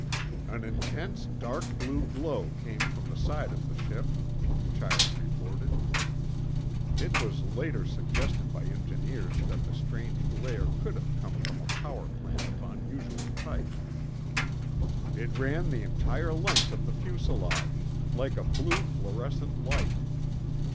"An intense dark blue glow came from the side of the ship," Chiles reported. (It was later suggested by engineers that the strange glare could have come from a power plant of unusual type.) "It ran the entire length of the fuselage—like a blue fluorescent light.